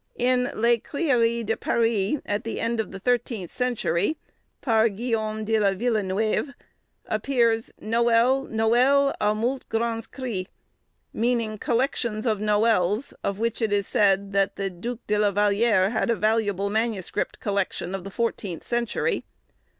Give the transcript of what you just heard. In "Les crieries de Paris," of the end of the thirteenth century, par Guillaume de la Villeneuve, appears, "Noël, noël, à moult granz cris;" meaning collections of noëls, of which it is said, that the Duc de la Vallière had a valuable manuscript collection of the fourteenth century.